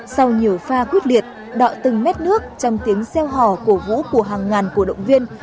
sau nhiều pha quyết liệt đọ từng mét nước trong tiếng xeo hò cổ vũ của hàng ngàn cổ động viên